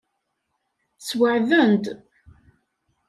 Sweɛden-d.